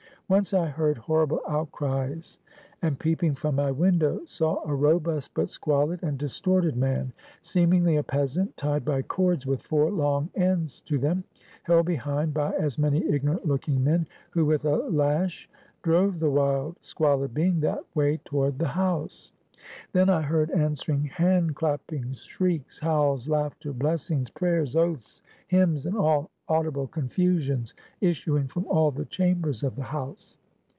Once I heard horrible outcries, and peeping from my window, saw a robust but squalid and distorted man, seemingly a peasant, tied by cords with four long ends to them, held behind by as many ignorant looking men who with a lash drove the wild squalid being that way toward the house. Then I heard answering hand clappings, shrieks, howls, laughter, blessings, prayers, oaths, hymns, and all audible confusions issuing from all the chambers of the house.